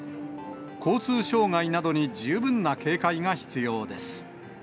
交通障害などに十分な警戒が必要